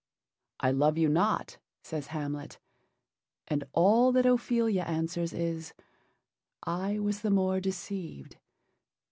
'I love you not,' says Hamlet, and all that Ophelia answers is, 'I was the more deceived.